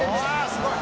「すごい！」